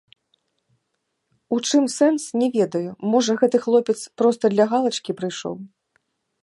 У чым сэнс, не ведаю, можа, гэты хлопец проста для галачкі прыйшоў.